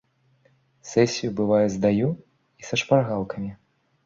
Сесію бывае здаю і са шпаргалкамі.